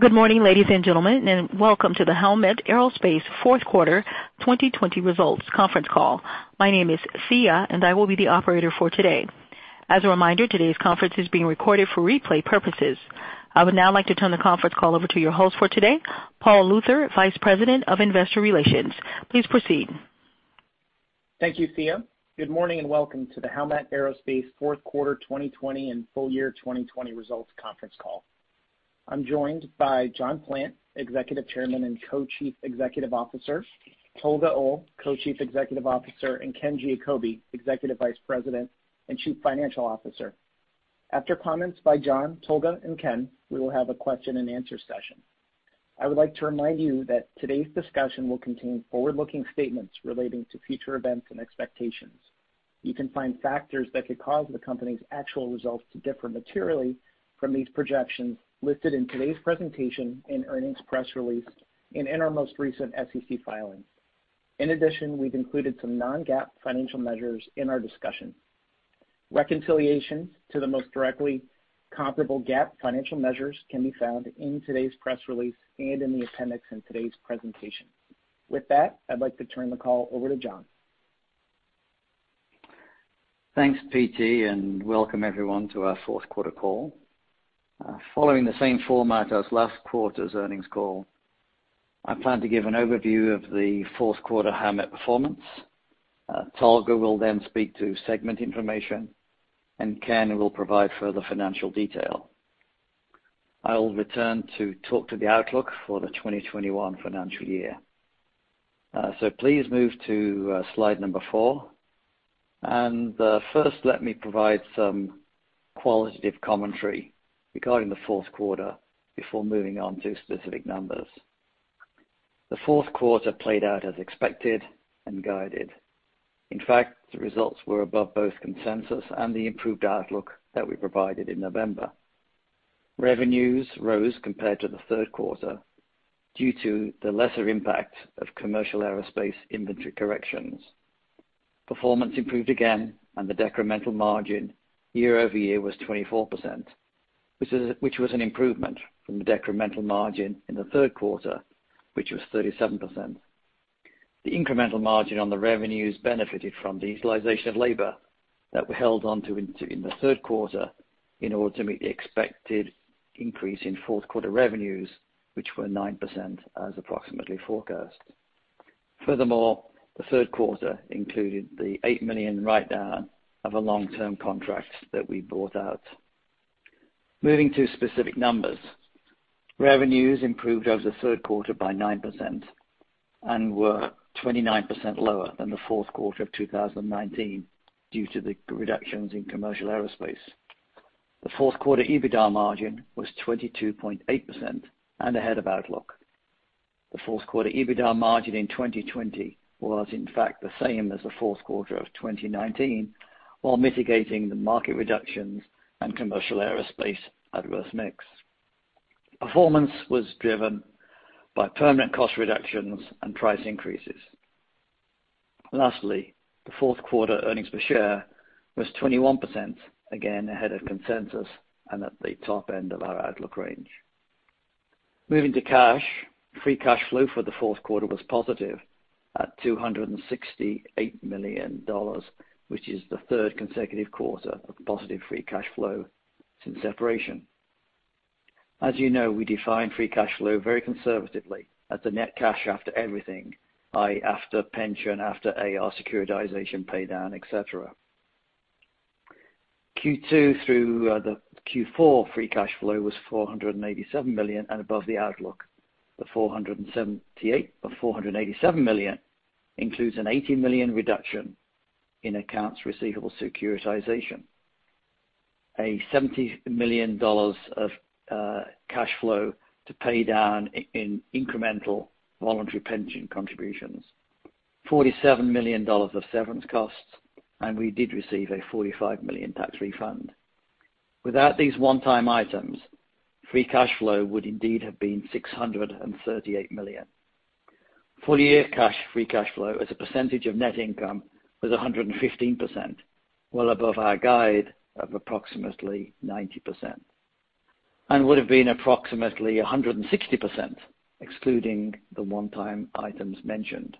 Good morning, ladies and gentlemen, and welcome to the Howmet Aerospace Fourth Quarter 2020 Results conference call. My name is Sia, and I will be the operator for today. As a reminder, today's conference is being recorded for replay purposes. I would now like to turn the conference call over to your host for today, Paul Luther, Vice President of Investor Relations. Please proceed. Thank you, Sia. Good morning and welcome to the Howmet Aerospace Fourth Quarter 2020 and Full Year 2020 Results conference call. I'm joined by John Plant, Executive Chairman and Co-Chief Executive Officer, Tolga Oal, Co-Chief Executive Officer, and Ken Giacobbe, Executive Vice President and Chief Financial Officer. After comments by John, Tolga, and Ken, we will have a question-and-answer session. I would like to remind you that today's discussion will contain forward-looking statements relating to future events and expectations. You can find factors that could cause the company's actual results to differ materially from these projections listed in today's presentation and earnings press release and in our most recent SEC filings. In addition, we've included some non-GAAP financial measures in our discussion. Reconciliation to the most directly comparable GAAP financial measures can be found in today's press release and in the appendix in today's presentation. With that, I'd like to turn the call over to John. Thanks, PT, and welcome everyone to our fourth quarter call. Following the same format as last quarter's earnings call, I plan to give an overview of the fourth quarter Howmet performance. Tolga will then speak to segment information, and Ken will provide further financial detail. I'll return to talk to the outlook for the 2021 financial year, so please move to slide number four, and first, let me provide some qualitative commentary regarding the fourth quarter before moving on to specific numbers. The fourth quarter played out as expected and guided. In fact, the results were above both consensus and the improved outlook that we provided in November. Revenues rose compared to the third quarter due to the lesser impact of commercial aerospace inventory corrections. Performance improved again, and the decremental margin year-over-year was 24%, which was an improvement from the decremental margin in the third quarter, which was 37%. The incremental margin on the revenues benefited from the utilization of labor that were held onto in the third quarter in order to meet the expected increase in fourth quarter revenues, which were 9%, as approximately forecast. Furthermore, the third quarter included the $8 million write-down of a long-term contract that we bought out. Moving to specific numbers, revenues improved over the third quarter by 9% and were 29% lower than the fourth quarter of 2019 due to the reductions in commercial aerospace. The fourth quarter EBITDA margin was 22.8% and ahead of outlook. The fourth quarter EBITDA margin in 2020 was, in fact, the same as the fourth quarter of 2019 while mitigating the market reductions and commercial aerospace adverse mix. Performance was driven by permanent cost reductions and price increases. Lastly, the fourth quarter earnings per share was 21%, again ahead of consensus and at the top end of our outlook range. Moving to cash, free cash flow for the fourth quarter was positive at $268 million, which is the third consecutive quarter of positive free cash flow since separation. As you know, we define free cash flow very conservatively as the net cash after everything, i.e., after pension, after AR securitization, paydown, etc. Q2 through Q4 free cash flow was $487 million and above the outlook. The $487 million includes an $80 million reduction in accounts receivable securitization, a $70 million of cash flow to pay down in incremental voluntary pension contributions, $47 million of severance costs, and we did receive a $45 million tax refund. Without these one-time items, free cash flow would indeed have been $638 million. Full year free cash flow as a percentage of net income was 115%, well above our guide of approximately 90%, and would have been approximately 160% excluding the one-time items mentioned.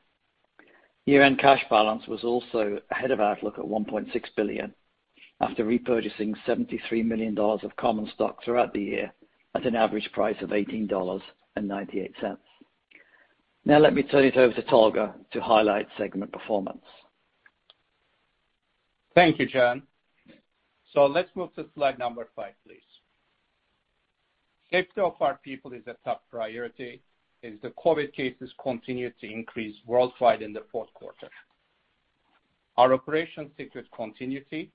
Year-end cash balance was also ahead of outlook at $1.6 billion after repurchasing $73 million of common stock throughout the year at an average price of $18.98. Now let me turn it over to Tolga to highlight segment performance. Thank you, John. So let's move to slide number five, please. Safety of our people is a top priority as the COVID cases continue to increase worldwide in the fourth quarter. Our operations stick with continuity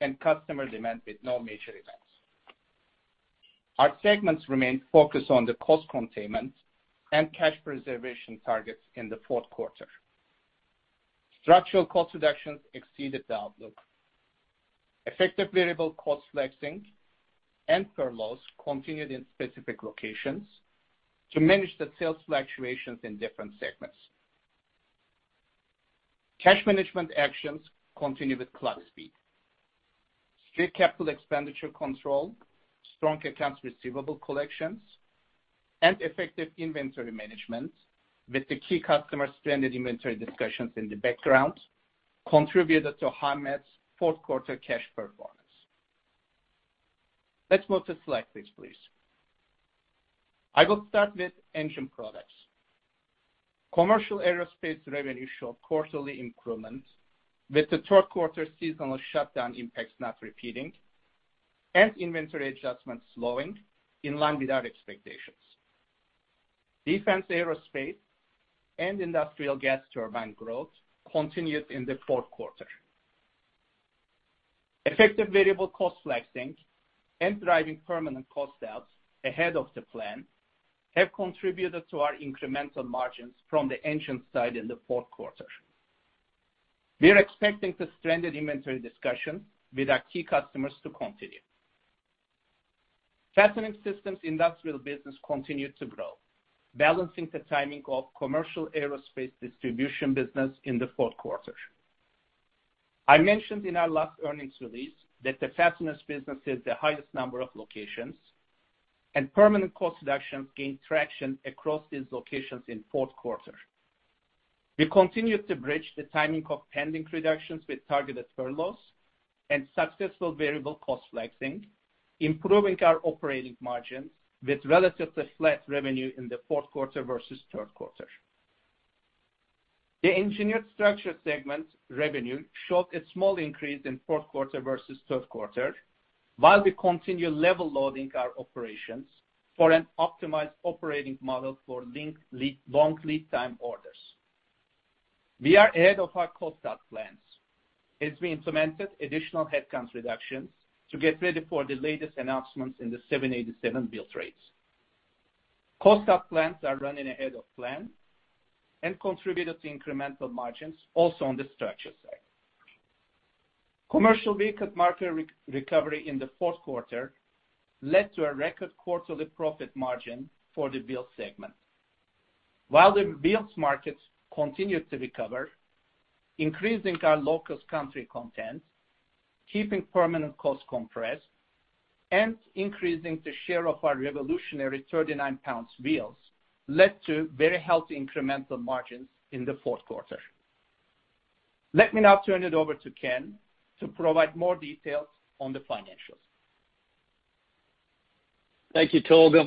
and customer demand with no major events. Our segments remain focused on the cost containment and cash preservation targets in the fourth quarter. Structural cost reductions exceeded the outlook. Effective variable cost flexing and furloughs continued in specific locations to manage the sales fluctuations in different segments. Cash management actions continue with clock speed. Strict capital expenditure control, strong accounts receivable collections, and effective inventory management with the key customer-stranded inventory discussions in the background contributed to Howmet's fourth quarter cash performance. Let's move to slide six, please. I will start with Engine Products. Commercial aerospace revenue showed quarterly improvement with the third quarter seasonal shutdown impacts not repeating and inventory adjustments slowing in line with our expectations. Defense aerospace and industrial gas turbine growth continued in the fourth quarter. Effective variable cost flexing and driving permanent cost out ahead of the plan have contributed to our incremental margins from the engine side in the fourth quarter. We are expecting the stranded inventory discussion with our key customers to continue. Fastening Systems industrial business continued to grow, balancing the timing of commercial aerospace distribution business in the fourth quarter. I mentioned in our last earnings release that the fasteners business had the highest number of locations, and permanent cost reductions gained traction across these locations in the fourth quarter. We continued to bridge the timing of pending reductions with targeted furloughs and successful variable cost flexing, improving our operating margins with relatively flat revenue in the fourth quarter versus third quarter. The Engineered Structures segment revenue showed a small increase in the fourth quarter versus third quarter while we continue level loading our operations for an optimized operating model for long lead time orders. We are ahead of our cost out plans as we implemented additional headcount reductions to get ready for the latest announcements in the 787 build rates. Cost out plans are running ahead of plan and contributed to incremental margins also on the structures side. Commercial vehicle market recovery in the fourth quarter led to a record quarterly profit margin for the wheel segment. While the Boeing market continued to recover, increasing our low-cost country content, keeping fixed costs compressed, and increasing the share of our revolutionary 39 lb Wheels led to very healthy incremental margins in the fourth quarter. Let me now turn it over to Ken to provide more details on the financials. Thank you, Tolga.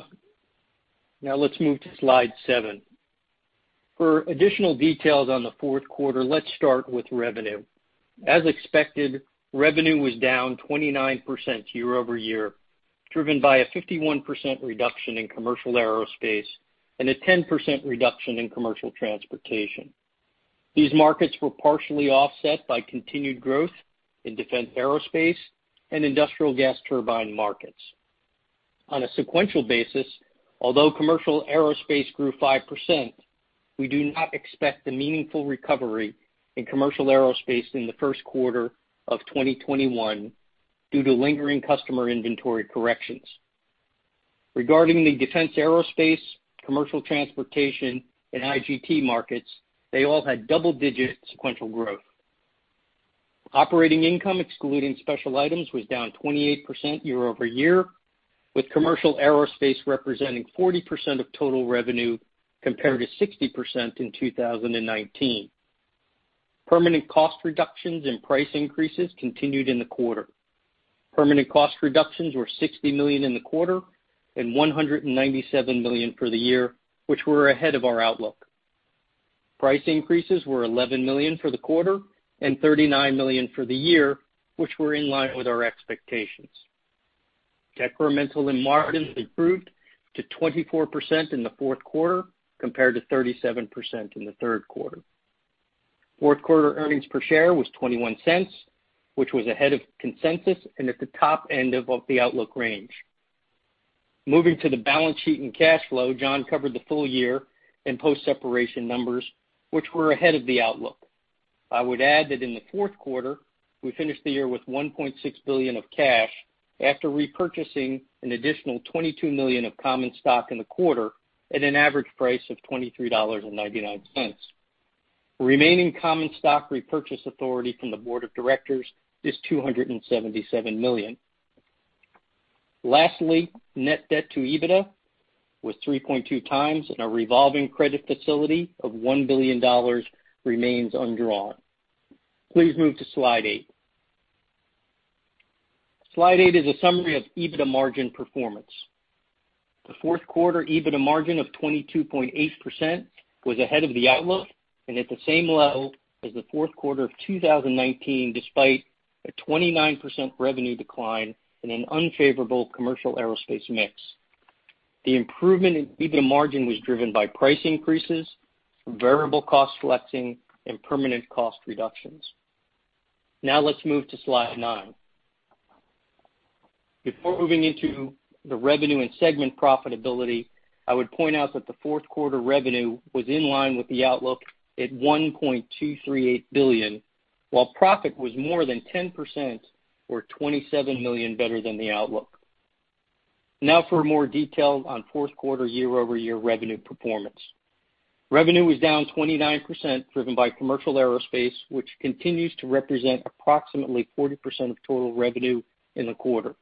Now let's move to slide seven. For additional details on the fourth quarter, let's start with revenue. As expected, revenue was down 29% year-over-year, driven by a 51% reduction in commercial aerospace and a 10% reduction in commercial transportation. These markets were partially offset by continued growth in defense aerospace and industrial gas turbine markets. On a sequential basis, although commercial aerospace grew 5%, we do not expect a meaningful recovery in commercial aerospace in the first quarter of 2021 due to lingering customer inventory corrections. Regarding the defense aerospace, commercial transportation, and IGT markets, they all had double-digit sequential growth. Operating income excluding special items was down 28% year-over-year, with commercial aerospace representing 40% of total revenue compared to 60% in 2019. Permanent cost reductions and price increases continued in the quarter. Permanent cost reductions were $60 million in the quarter and $197 million for the year, which were ahead of our outlook. Price increases were $11 million for the quarter and $39 million for the year, which were in line with our expectations. Decremental margins improved to 24% in the fourth quarter compared to 37% in the third quarter. Fourth quarter earnings per share was $0.21, which was ahead of consensus and at the top end of the outlook range. Moving to the balance sheet and cash flow, John covered the full year and post-separation numbers, which were ahead of the outlook. I would add that in the fourth quarter, we finished the year with $1.6 billion of cash after repurchasing an additional $22 million of common stock in the quarter at an average price of $23.99. Remaining common stock repurchase authority from the board of directors is $277 million. Lastly, net debt to EBITDA was 3.2x, and a revolving credit facility of $1 billion remains undrawn. Please move to slide eight. Slide eight is a summary of EBITDA margin performance. The fourth quarter EBITDA margin of 22.8% was ahead of the outlook and at the same level as the fourth quarter of 2019, despite a 29% revenue decline in an unfavorable commercial aerospace mix. The improvement in EBITDA margin was driven by price increases, variable cost flexing, and permanent cost reductions. Now let's move to slide nine. Before moving into the revenue and segment profitability, I would point out that the fourth quarter revenue was in line with the outlook at $1.238 billion, while profit was more than 10% or $27 million better than the outlook. Now for more detail on fourth quarter year-over-year revenue performance. Revenue was down 29%, driven by commercial aerospace, which continues to represent approximately 40% of total revenue in the quarter.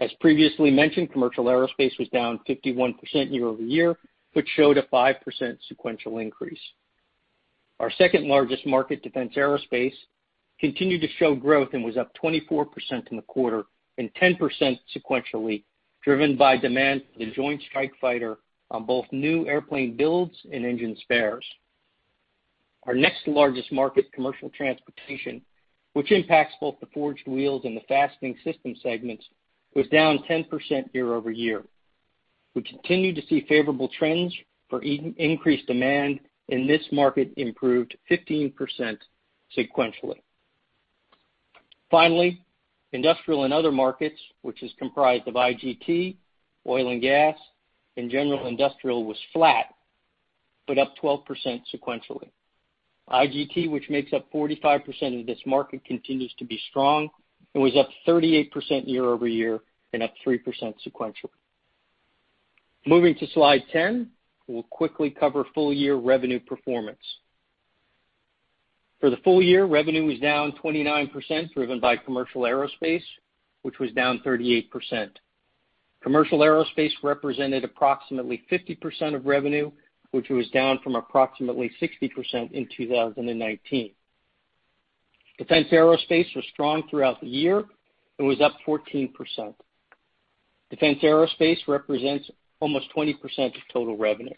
As previously mentioned, commercial aerospace was down 51% year-over-year, which showed a 5% sequential increase. Our second largest market, defense aerospace, continued to show growth and was up 24% in the quarter and 10% sequentially, driven by demand for the Joint Strike Fighter on both new airplane builds and engine spares. Our next largest market, commercial transportation, which impacts both the Forged Wheels and the Fastening Systems segments, was down 10% year-over-year. We continue to see favorable trends for increased demand, and this market improved 15% sequentially. Finally, industrial and other markets, which is comprised of IGT, oil and gas, and general industrial, was flat but up 12% sequentially. IGT, which makes up 45% of this market, continues to be strong and was up 38% year-over-year and up 3% sequentially. Moving to slide 10, we'll quickly cover full year revenue performance. For the full year, revenue was down 29%, driven by commercial aerospace, which was down 38%. Commercial aerospace represented approximately 50% of revenue, which was down from approximately 60% in 2019. Defense aerospace was strong throughout the year and was up 14%. Defense aerospace represents almost 20% of total revenue.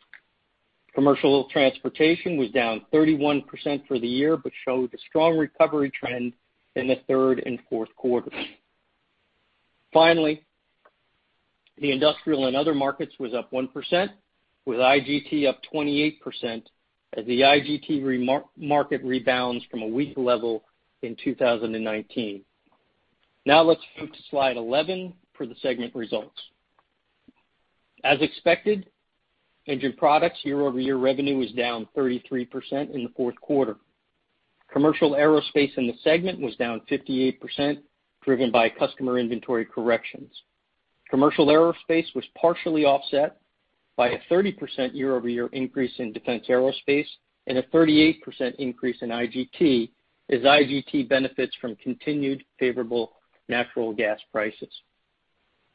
Commercial transportation was down 31% for the year but showed a strong recovery trend in the third and fourth quarters. Finally, the industrial and other markets were up 1%, with IGT up 28% as the IGT market rebounds from a weak level in 2019. Now let's move to slide 11 for the segment results. As expected, Engine Products year-over-year revenue was down 33% in the fourth quarter. Commercial aerospace in the segment was down 58%, driven by customer inventory corrections. Commercial aerospace was partially offset by a 30% year-over-year increase in defense aerospace and a 38% increase in IGT as IGT benefits from continued favorable natural gas prices.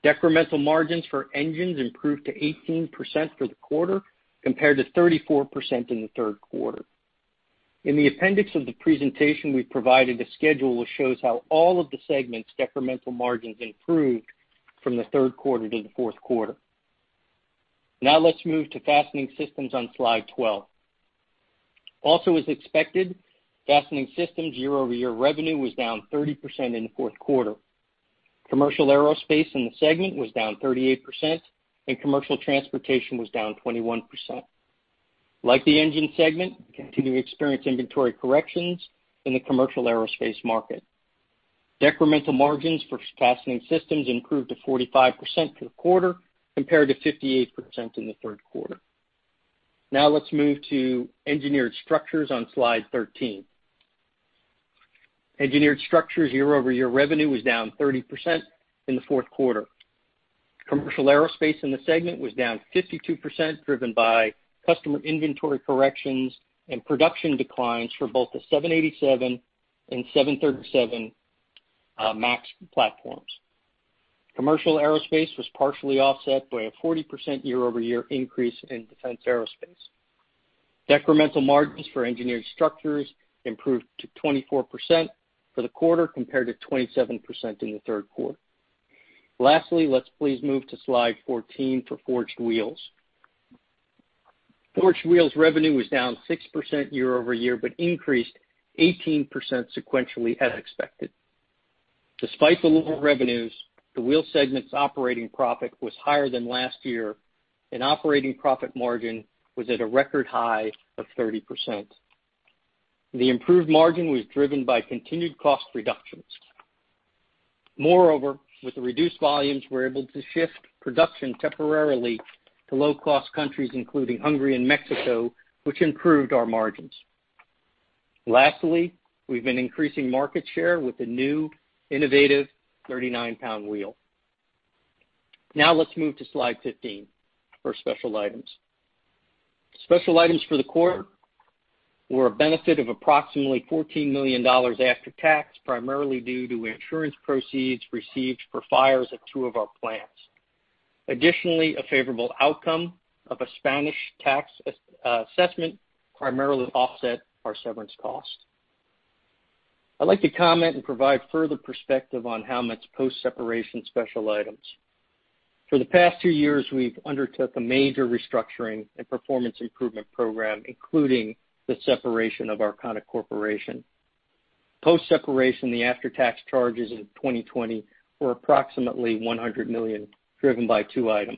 Decremental margins for engines improved to 18% for the quarter compared to 34% in the third quarter. In the appendix of the presentation, we provided a schedule which shows how all of the segments' decremental margins improved from the third quarter to the fourth quarter. Now let's move to Fastening Systems on slide 12. Also, as expected, Fastening Systems year-over-year revenue was down 30% in the fourth quarter. Commercial aerospace in the segment was down 38%, and commercial transportation was down 21%. Like the engine segment, we continue to experience inventory corrections in the commercial aerospace market. Decremental margins for Fastening Systems improved to 45% for the quarter compared to 58% in the third quarter. Now let's move to Engineered Structures on slide 13. Engineered Structures year-over-year revenue was down 30% in the fourth quarter. Commercial aerospace in the segment was down 52%, driven by customer inventory corrections and production declines for both the 787 and 737 MAX platforms. Commercial aerospace was partially offset by a 40% year-over-year increase in defense aerospace. Decremental margins for Engineered Structures improved to 24% for the quarter compared to 27% in the third quarter. Lastly, let's please move to slide 14 for Forged Wheels. Forged Wheels revenue was down 6% year-over-year but increased 18% sequentially as expected. Despite the lower revenues, the wheel segment's operating profit was higher than last year, and operating profit margin was at a record high of 30%. The improved margin was driven by continued cost reductions. Moreover, with the reduced volumes, we were able to shift production temporarily to low-cost countries, including Hungary and Mexico, which improved our margins. Lastly, we've been increasing market share with a new innovative 39 lb wheel. Now let's move to slide 15 for special items. Special items for the quarter were a benefit of approximately $14 million after tax, primarily due to insurance proceeds received for fires at two of our plants. Additionally, a favorable outcome of a Spanish tax assessment primarily offset our severance cost. I'd like to comment and provide further perspective on Howmet's post-separation special items. For the past two years, we've undertook a major restructuring and performance improvement program, including the separation of Arconic Corporation. Post-separation, the after-tax charges in 2020 were approximately $100 million, driven by two items.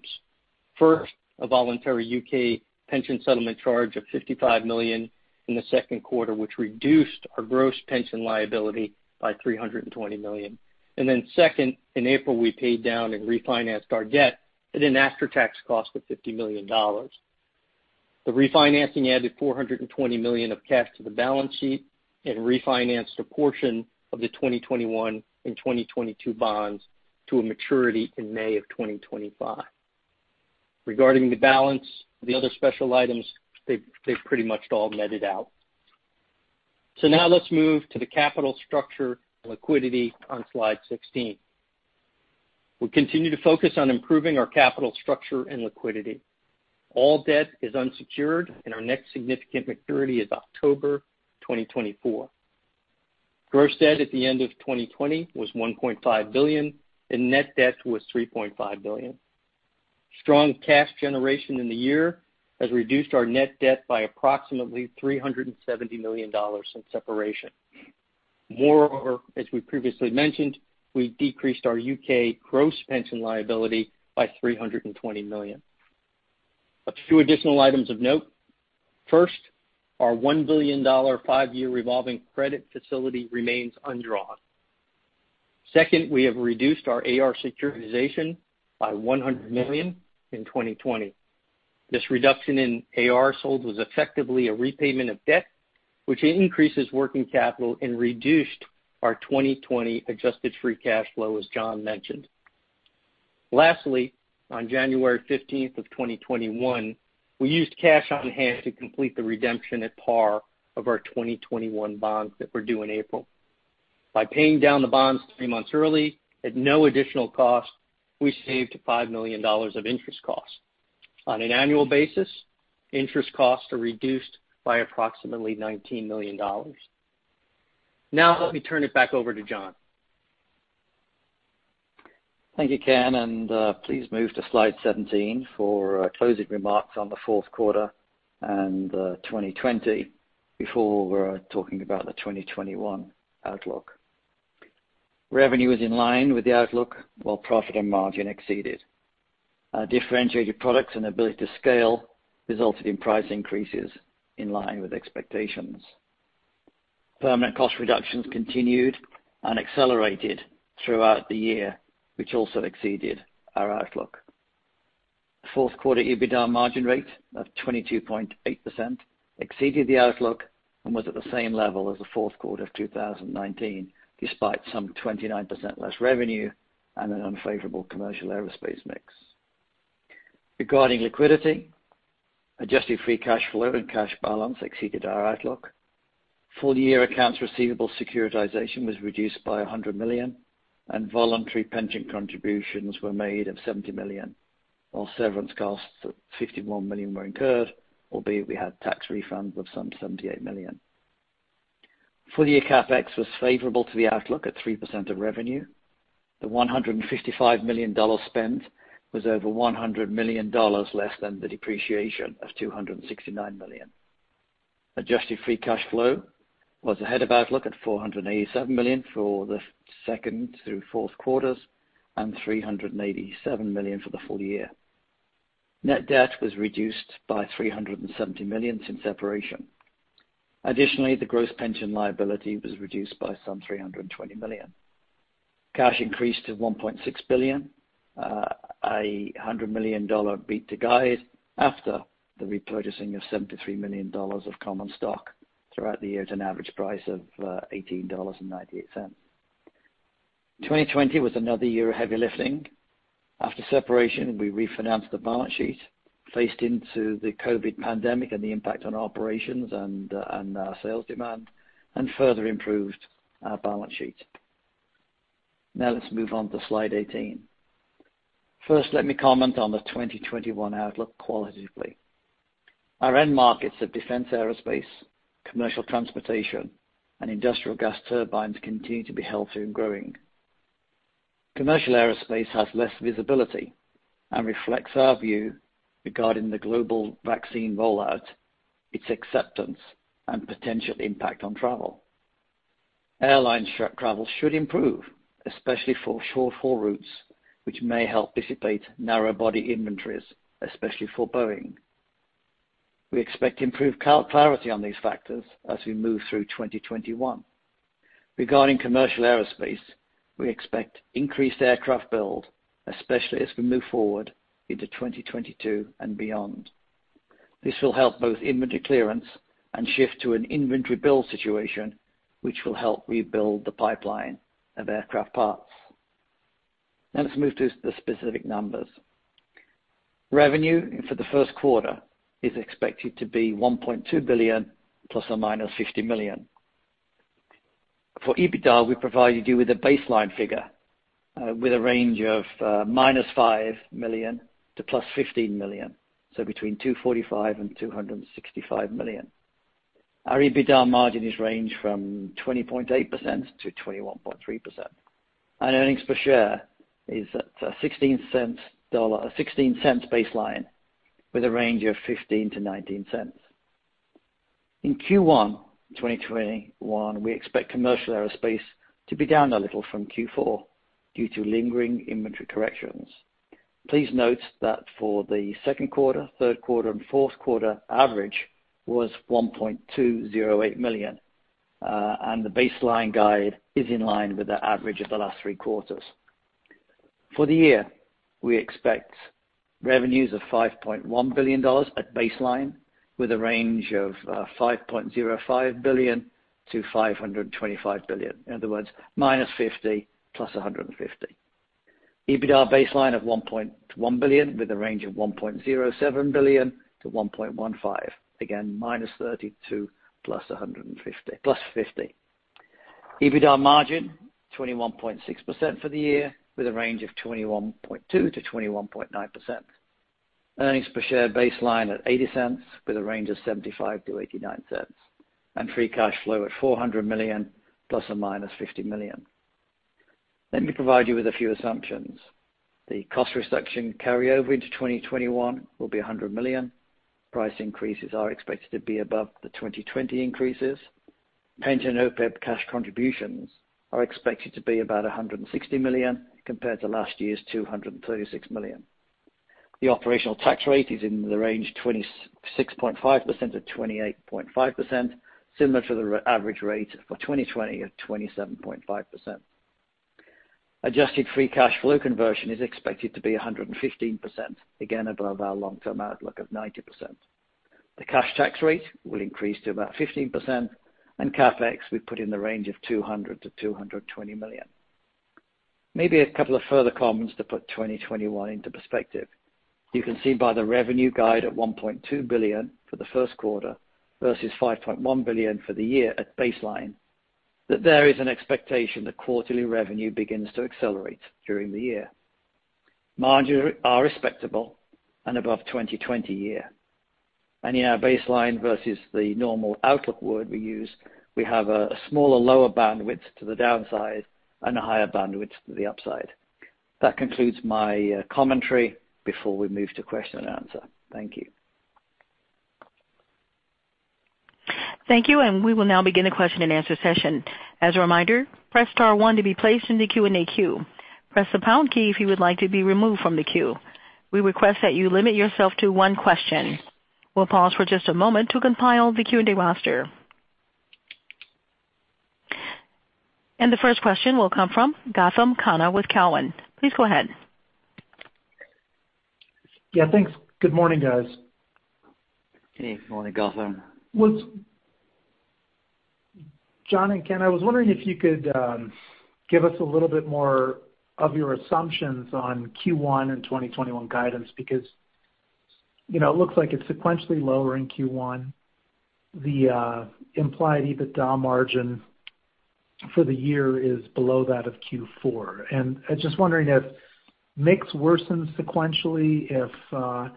First, a voluntary U.K. pension settlement charge of $55 million in the second quarter, which reduced our gross pension liability by $320 million, and then second, in April, we paid down and refinanced our debt at an after-tax cost of $50 million. The refinancing added $420 million of cash to the balance sheet and refinanced a portion of the 2021 and 2022 bonds to a maturity in May of 2025. Regarding the balance, the other special items, they've pretty much all meted out, so now let's move to the capital structure and liquidity on slide 16. We continue to focus on improving our capital structure and liquidity. All debt is unsecured, and our next significant maturity is October 2024. Gross debt at the end of 2020 was $1.5 billion, and net debt was $3.5 million. Strong cash generation in the year has reduced our net debt by approximately $370 million since separation. Moreover, as we previously mentioned, we decreased our U.K. gross pension liability by $320 million. A few additional items of note. First, our $1 billion five-year revolving credit facility remains undrawn. Second, we have reduced our AR securitization by $100 million in 2020. This reduction in AR sold was effectively a repayment of debt, which increases working capital and reduced our 2020 adjusted free cash flow, as John mentioned. Lastly, on January 15th of 2021, we used cash on hand to complete the redemption at par of our 2021 bonds that were due in April. By paying down the bonds three months early at no additional cost, we saved $5 million of interest costs. On an annual basis, interest costs are reduced by approximately $19 million. Now let me turn it back over to John. Thank you, Ken, and please move to slide 17 for closing remarks on the fourth quarter and 2020 before talking about the 2021 outlook. Revenue was in line with the outlook while profit and margin exceeded. Differentiated products and ability to scale resulted in price increases in line with expectations. Permanent cost reductions continued and accelerated throughout the year, which also exceeded our outlook. Fourth quarter EBITDA margin rate of 22.8% exceeded the outlook and was at the same level as the fourth quarter of 2019, despite some 29% less revenue and an unfavorable commercial aerospace mix. Regarding liquidity, adjusted free cash flow and cash balance exceeded our outlook. Full year accounts receivable securitization was reduced by $100 million, and voluntary pension contributions were made of $70 million, while severance costs of $51 million were incurred, albeit we had tax refunds of some $78 million. Full year CapEx was favorable to the outlook at 3% of revenue. The $155 million spend was over $100 million less than the depreciation of $269 million. Adjusted free cash flow was ahead of outlook at $487 million for the second through fourth quarters and $387 million for the full year. Net debt was reduced by $370 million since separation. Additionally, the gross pension liability was reduced by some $320 million. Cash increased to $1.6 billion, a $100 million beat to guide after the repurchasing of $73 million of common stock throughout the year at an average price of $18.98. 2020 was another year of heavy lifting. After separation, we refinanced the balance sheet, faced into the COVID pandemic and the impact on operations and our sales demand, and further improved our balance sheet. Now let's move on to slide 18. First, let me comment on the 2021 outlook qualitatively. Our end markets of defense aerospace, commercial transportation, and industrial gas turbines continue to be healthy and growing. Commercial aerospace has less visibility and reflects our view regarding the global vaccine rollout, its acceptance, and potential impact on travel. Airline travel should improve, especially for short-haul routes, which may help dissipate narrowbody inventories, especially for Boeing. We expect improved clarity on these factors as we move through 2021. Regarding commercial aerospace, we expect increased aircraft build, especially as we move forward into 2022 and beyond. This will help both inventory clearance and shift to an inventory build situation, which will help rebuild the pipeline of aircraft parts. Now let's move to the specific numbers. Revenue for the first quarter is expected to be $1.2 billion ±$50 million. For EBITDA, we provided you with a baseline figure with a range of -$5 million to +$15 million, so between $245 million and $265 million. Our EBITDA margin is ranged from 20.8%-21.3%. Earnings per share is at a $0.16 baseline with a range of $0.15-$0.19. In Q1 2021, we expect commercial aerospace to be down a little from Q4 due to lingering inventory corrections. Please note that for the second quarter, third quarter, and fourth quarter, average was $1.208 million, and the baseline guide is in line with the average of the last three quarters. For the year, we expect revenues of $5.1 billion at baseline with a range of $5.05 billion-$5.25 billion. In other words, -$50 million +$150 million. EBITDA baseline of $1.1 billion with a range of $1.07 billion-$1.15 billion, again, -$30 million to +$50 million. EBITDA margin 21.6% for the year with a range of 21.2%-21.9%. Earnings per share baseline at $0.80 with a range of $0.75-$0.89 and free cash flow at $400 million ±$50 million. Let me provide you with a few assumptions. The cost reduction carryover into 2021 will be $100 million. Price increases are expected to be above the 2020 increases. Pension OPEB cash contributions are expected to be about $160 million compared to last year's $236 million. The operational tax rate is in the range of 26.5%-28.5%, similar to the average rate for 2020 of 27.5%. Adjusted free cash flow conversion is expected to be 115%, again above our long-term outlook of 90%. The cash tax rate will increase to about 15%, and CapEx we put in the range of $200 million-$220 million. Maybe a couple of further comments to put 2021 into perspective. You can see by the revenue guide at $1.2 billion for the first quarter versus $5.1 billion for the year at baseline that there is an expectation that quarterly revenue begins to accelerate during the year. Margins are respectable and above 2020 year and in our baseline versus the normal outlook word we use, we have a smaller lower bandwidth to the downside and a higher bandwidth to the upside. That concludes my commentary before we move to question and answer. Thank you. Thank you, and we will now begin the question and answer session. As a reminder, press star one to be placed in the Q&A queue. Press the pound key if you would like to be removed from the queue. We request that you limit yourself to one question. We'll pause for just a moment to compile the Q&A roster. And the first question will come from Gautam Khanna with Cowen. Please go ahead. Yeah, thanks. Good morning, guys. Hey, good morning, Gautam. John and Ken, I was wondering if you could give us a little bit more of your assumptions on Q1 and 2021 guidance because it looks like it's sequentially lower in Q1. The implied EBITDA margin for the year is below that of Q4. And I'm just wondering if mix worsens sequentially, if the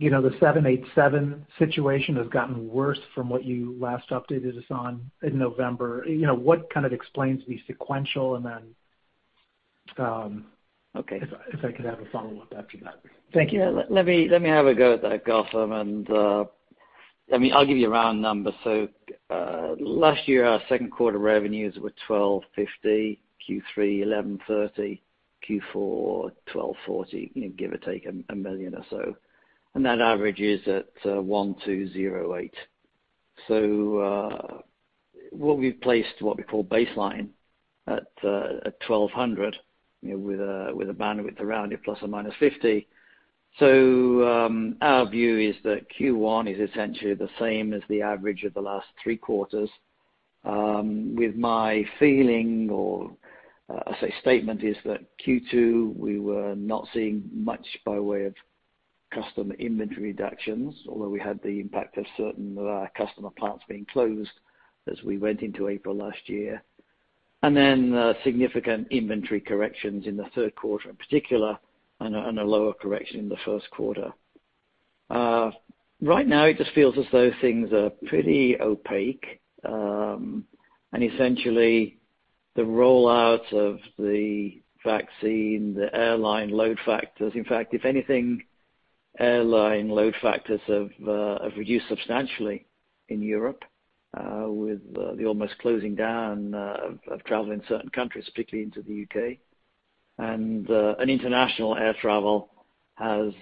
787 situation has gotten worse from what you last updated us on in November. What kind of explains the sequential and then if I could have a follow-up after that. Thank you. Let me have a go at that, Gautam. And I mean, I'll give you a round number. So last year, our second quarter revenues were $1,250 million, Q3 $1,130 million, Q4 $1,240 million, give or take a million or so. And that averages at $1,208 million. So what we've placed what we call baseline at $1,200 million with a bandwidth around it ±$50 million. So our view is that Q1 is essentially the same as the average of the last three quarters. With my feeling or statement is that Q2, we were not seeing much by way of customer inventory reductions, although we had the impact of certain customer plants being closed as we went into April last year. And then significant inventory corrections in the third quarter in particular and a lower correction in the first quarter. Right now, it just feels as though things are pretty opaque. And essentially, the rollout of the vaccine, the airline load factors, in fact, if anything, airline load factors have reduced substantially in Europe with the almost closing down of travel in certain countries, particularly into the U.K. And international air travel has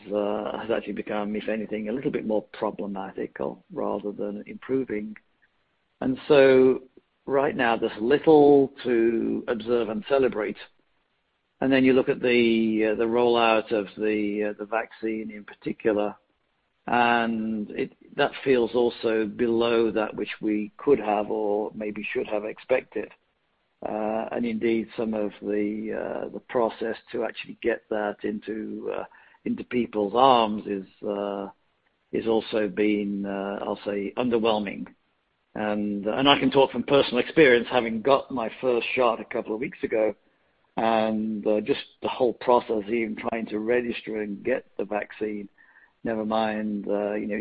actually become, if anything, a little bit more problematic rather than improving. And so right now, there's little to observe and celebrate. And then you look at the rollout of the vaccine in particular, and that feels also below that which we could have or maybe should have expected. And indeed, some of the process to actually get that into people's arms is also being, I'll say, underwhelming. I can talk from personal experience having got my first shot a couple of weeks ago and just the whole process, even trying to register and get the vaccine, never mind, is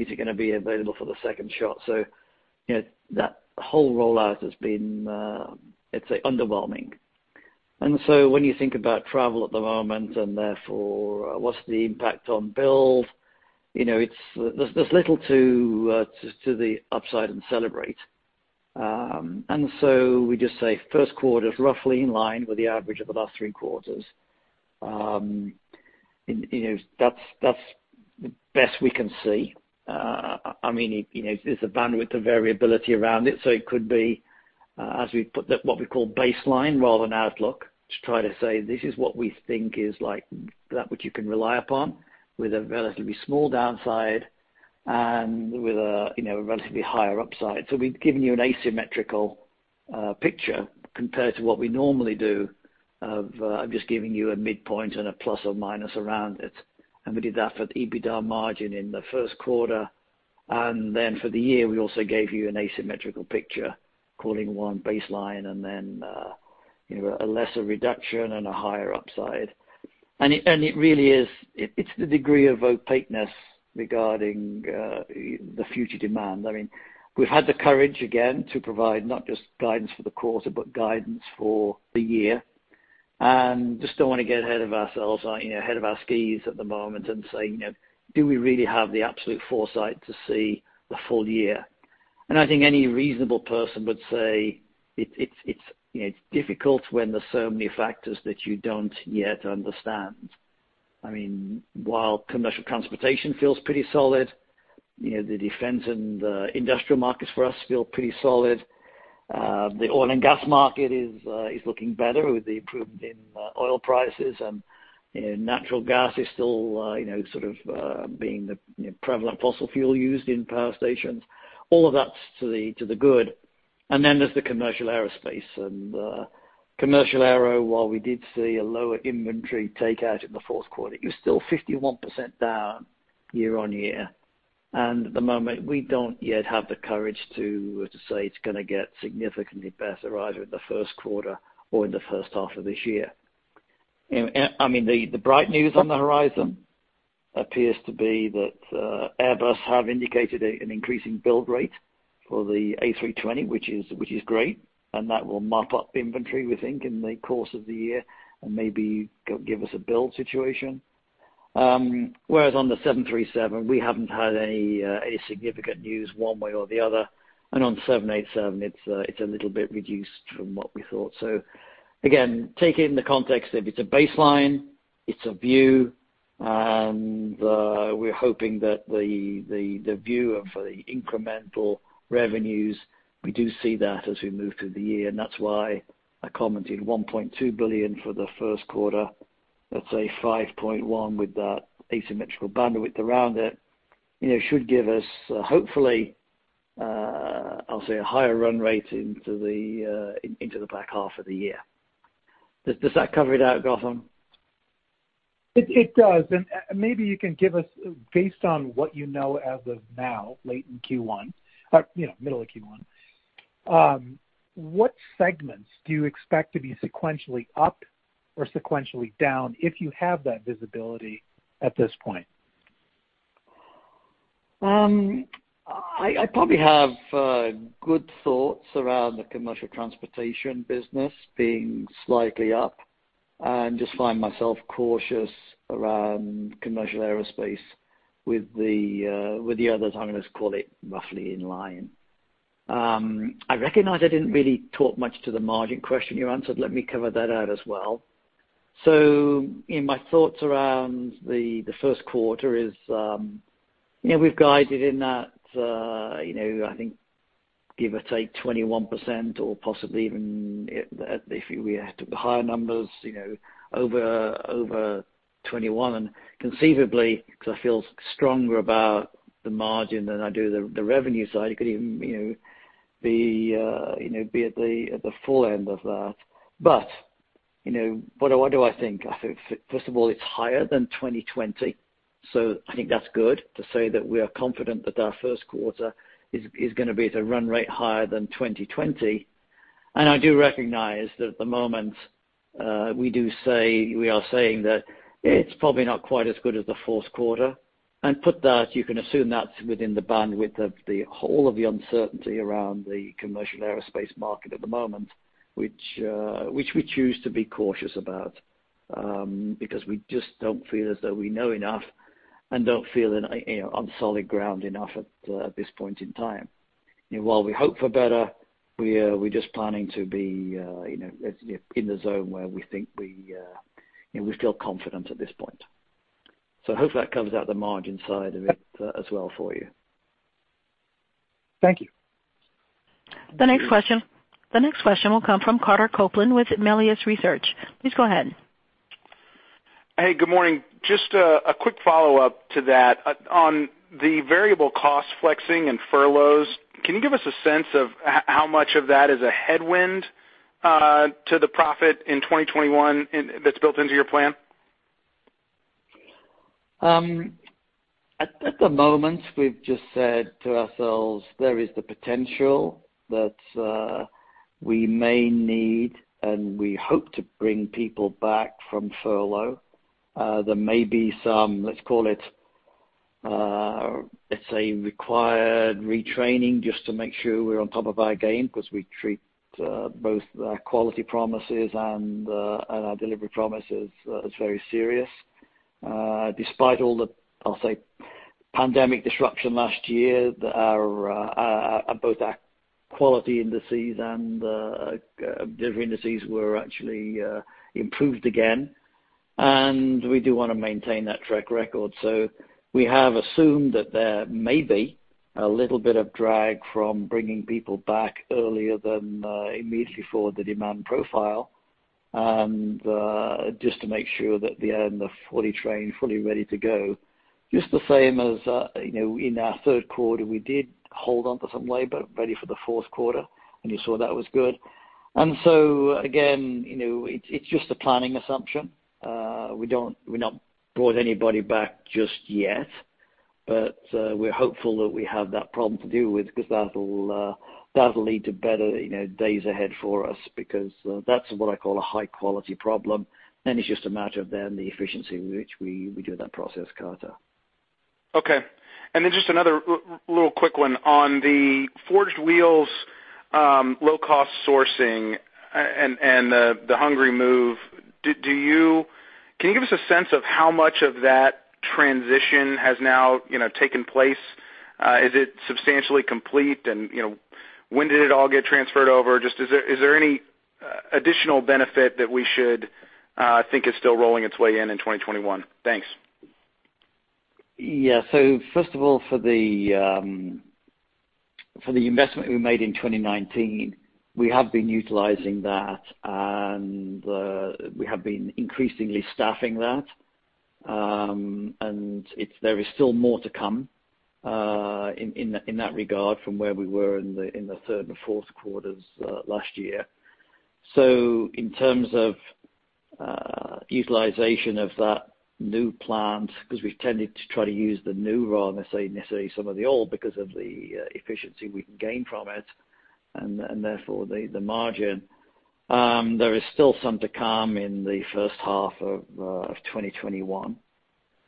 it going to be available for the second shot? That whole rollout has been, let's say, underwhelming. When you think about travel at the moment and therefore what's the impact on build, there's little to the upside and celebrate. We just say first quarter is roughly in line with the average of the last three quarters. That's the best we can see. I mean, there's a bandwidth of variability around it. So it could be as we put what we call baseline rather than outlook to try to say, "This is what we think is that which you can rely upon with a relatively small downside and with a relatively higher upside." So we've given you an asymmetrical picture compared to what we normally do of just giving you a midpoint and a plus or minus around it. And we did that for the EBITDA margin in the first quarter. And then for the year, we also gave you an asymmetrical picture calling one baseline and then a lesser reduction and a higher upside. And it really is, it's the degree of opaqueness regarding the future demand. I mean, we've had the courage again to provide not just guidance for the quarter, but guidance for the year. Just don't want to get ahead of ourselves, ahead of our skis at the moment and say, "Do we really have the absolute foresight to see the full year?" I think any reasonable person would say it's difficult when there's so many factors that you don't yet understand. I mean, while commercial transportation feels pretty solid, the defense and the industrial markets for us feel pretty solid. The oil and gas market is looking better with the improvement in oil prices, and natural gas is still sort of being the prevalent fossil fuel used in power stations. All of that's to the good. Then there's the commercial aerospace. Commercial aero, while we did see a lower inventory takeout in the fourth quarter. It was still 51% down year-on-year. And at the moment, we don't yet have the courage to say it's going to get significantly better either in the first quarter or in the first half of this year. I mean, the bright news on the horizon appears to be that Airbus has indicated an increasing build rate for the A320, which is great. And that will mop up inventory within the next in the course of the year and maybe give us a build situation. Whereas on the 737, we haven't had any significant news one way or the other. And on 787, it's a little bit reduced from what we thought. So again, take it in the context of it's a baseline, it's a view, and we're hoping that the view of the incremental revenues, we do see that as we move through the year. And that's why I commented $1.2 billion for the first quarter. Let's say $5.1 billion with that asymmetrical bandwidth around it should give us, hopefully, I'll say a higher run rate into the back half of the year. Does that cover it out, Gautam? It does. And maybe you can give us, based on what you know as of now, late in Q1, middle of Q1, what segments do you expect to be sequentially up or sequentially down if you have that visibility at this point? I probably have good thoughts around the commercial transportation business being slightly up, and just find myself cautious around commercial aerospace. With the others, I'm going to call it roughly in line. I recognize I didn't really talk much to the margin question you answered. Let me cover that out as well. So my thoughts around the first quarter is we've guided in that, I think, give or take 21% or possibly even if we had higher numbers over 21%. And conceivably, because I feel stronger about the margin than I do the revenue side, it could even be at the full end of that. But what do I think? First of all, it's higher than 2020. So I think that's good to say that we are confident that our first quarter is going to be at a run rate higher than 2020. And I do recognize that at the moment, we are saying that it's probably not quite as good as the fourth quarter. And put that, you can assume that's within the bandwidth of all of the uncertainty around the commercial aerospace market at the moment, which we choose to be cautious about because we just don't feel as though we know enough and don't feel on solid ground enough at this point in time. While we hope for better, we're just planning to be in the zone where we think we feel confident at this point. So hopefully that covers out the margin side of it as well for you. Thank you. The next question will come from Carter Copeland with Melius Research. Please go ahead. Hey, good morning. Just a quick follow-up to that. On the variable cost flexing and furloughs, can you give us a sense of how much of that is a headwind to the profit in 2021 that's built into your plan? At the moment, we've just said to ourselves, there is the potential that we may need, and we hope to bring people back from furlough. There may be some, let's call it, let's say, required retraining just to make sure we're on top of our game because we treat both our quality promises and our delivery promises as very serious. Despite all the, I'll say, pandemic disruption last year, both our quality indices and delivery indices were actually improved again, and we do want to maintain that track record, so we have assumed that there may be a little bit of drag from bringing people back earlier than immediately for the demand profile and just to make sure that they're in the fully trained, fully ready to go. Just the same as in our third quarter, we did hold on for some labor ready for the fourth quarter. And you saw that was good. And so again, it's just a planning assumption. We're not brought anybody back just yet, but we're hopeful that we have that problem to deal with because that will lead to better days ahead for us because that's what I call a high-quality problem. And it's just a matter of then the efficiency with which we do that process, Carter. Okay, and then just another little quick one on the Forged Wheels, low-cost sourcing, and the Hungary move. Can you give us a sense of how much of that transition has now taken place? Is it substantially complete? And when did it all get transferred over? Just, is there any additional benefit that we should think is still rolling its way in 2021? Thanks. Yeah. So first of all, for the investment we made in 2019, we have been utilizing that, and we have been increasingly staffing that and there is still more to come in that regard from where we were in the third and fourth quarters last year. So in terms of utilization of that new plant, because we've tended to try to use the new rather than say necessarily some of the old because of the efficiency we can gain from it and therefore the margin, there is still some to come in the first half of 2021.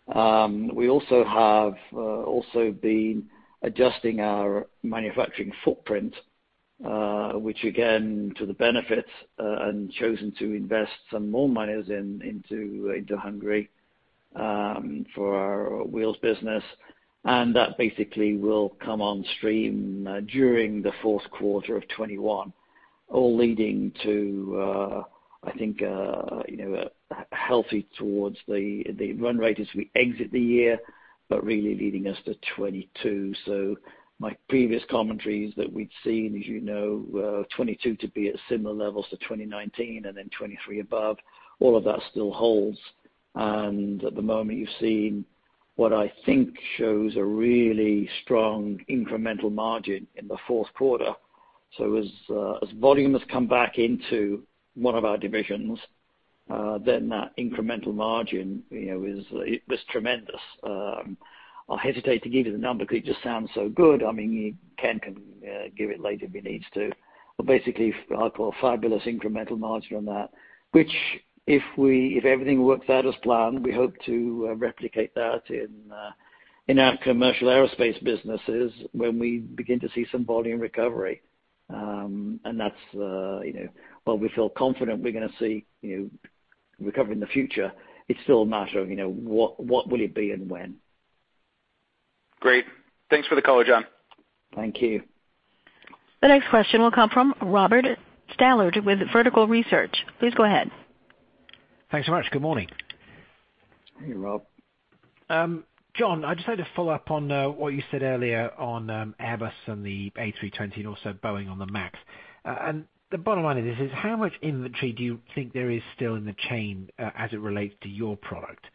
We also have been adjusting our manufacturing footprint, which again, to the benefits, and chosen to invest some more money into Hungary for our Wheels business. And that basically will come on stream during the fourth quarter of 2021, all leading to, I think, a healthy towards the run rate as we exit the year, but really leading us to 2022. So my previous commentary is that we'd seen, as you know, 2022 to be at similar levels to 2019 and then 2023 above. All of that still holds. And at the moment, you've seen what I think shows a really strong incremental margin in the fourth quarter. So as volume has come back into one of our divisions, then that incremental margin was tremendous. I'll hesitate to give you the number because it just sounds so good. I mean, you can give it later if he needs to. But basically, I'll call a fabulous incremental margin on that, which if everything works out as planned, we hope to replicate that in our commercial aerospace businesses when we begin to see some volume recovery. And that's why we feel confident we're going to see recovery in the future. It's still a matter of what will it be and when? Great. Thanks for the color, John. Thank you. The next question will come from Robert Stallard with Vertical Research. Please go ahead. Thanks so much. Good morning. Hey, Rob. John, I just had to follow up on what you said earlier on Airbus and the A320 and also Boeing on the MAX. And the bottom line of this is how much inventory do you think there is still in the chain as it relates to your product?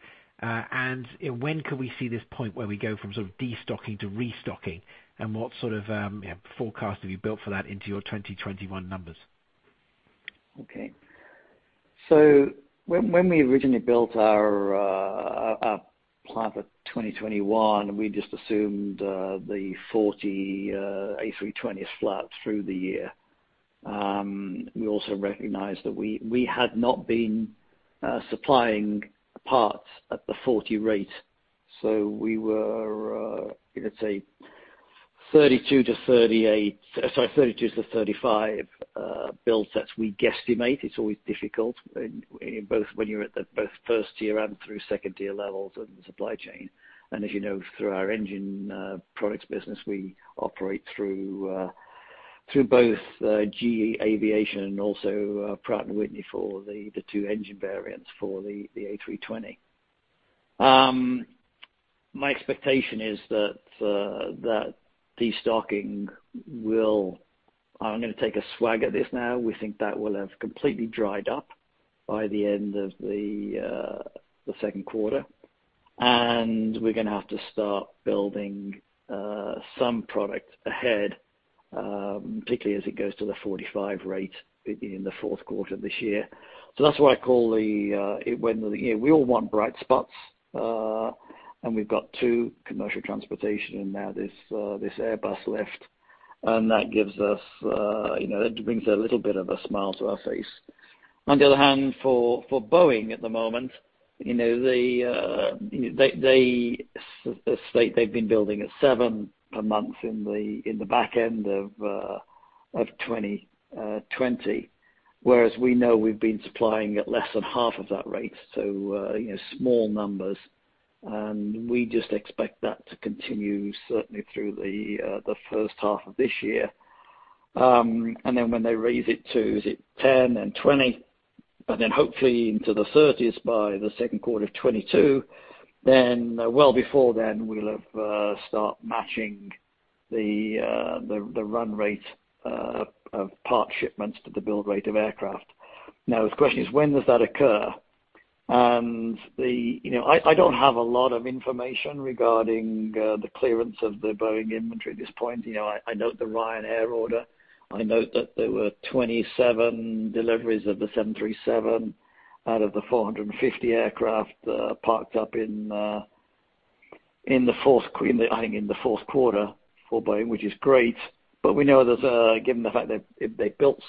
And when can we see this point where we go from sort of destocking to restocking? And what sort of forecast have you built for that into your 2021 numbers? Okay. So when we originally built our plan for 2021, we just assumed the 40 A320s flew out through the year. We also recognized that we had not been supplying parts at the 40 rate. So we were, let's say, 32-38, sorry, 32-35 build sets. We guesstimate. It's always difficult both when you're at the first tier and through second tier levels of the supply chain. And as you know, through our Engine Products business, we operate through both GE Aviation and also Pratt & Whitney for the two engine variants for the A320. My expectation is that destocking will. I'm going to take a swag at this now. We think that will have completely dried up by the end of the second quarter. We're going to have to start building some product ahead, particularly as it goes to the 45 rate in the fourth quarter of this year. That's why I call them. We all want bright spots. We've got two commercial transportation, and now this Airbus Lift. That gives us, that brings a little bit of a smile to our face. On the other hand, for Boeing at the moment, they state they've been building at seven per month in the back end of 2020, whereas we know we've been supplying at less than half of that rate. So small numbers. We just expect that to continue certainly through the first half of this year. Then when they raise it to, is it 10 and 20? Then hopefully into the 30s by the second quarter of 2022, then well before then, we'll have start matching the run rate of part shipments to the build rate of aircraft. Now, the question is, when does that occur? And I don't have a lot of information regarding the clearance of the Boeing inventory at this point. I note the [Ryanair order]. I note that there were 27 deliveries of the 737 out of the 450 aircraft parked up in the fourth quarter for Boeing, which is great. But we know there's, given the fact that they built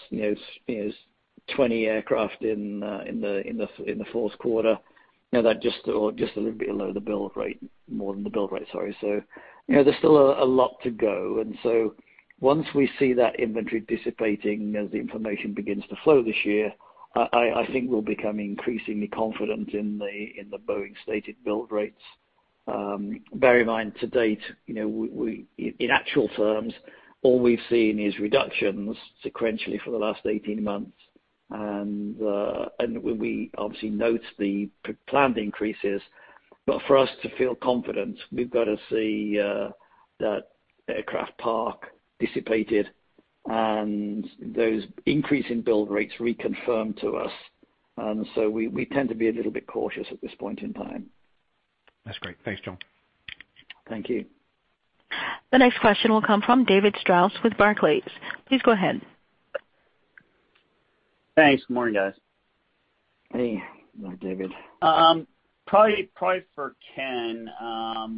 20 aircraft in the fourth quarter, that just a little bit below the build rate, more than the build rate, sorry. So there's still a lot to go. And so once we see that inventory dissipating as the information begins to flow this year, I think we'll become increasingly confident in the Boeing stated build rates. Bear in mind, to date, in actual terms, all we've seen is reductions sequentially for the last 18 months. And we obviously note the planned increases. But for us to feel confident, we've got to see that aircraft park dissipated and those increasing build rates reconfirmed to us. And so we tend to be a little bit cautious at this point in time. That's great. Thanks, John. Thank you. The next question will come from David Strauss with Barclays. Please go ahead. Hey. Good morning, guys. Hey. Hi, David. Probably for Ken, a